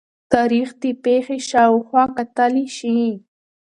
تاریخ د پېښې شا او خوا کتلي شي.